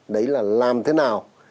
đấy là làm thế nào